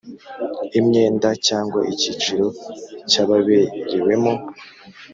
Imyenda Cyangwa Icyiciro Cy Ababerewemo